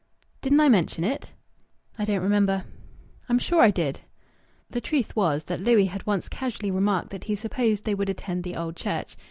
"Didn't I mention it?" "I don't remember." "I'm sure I did." The truth was that Louis had once casually remarked that he supposed they would attend the Old Church.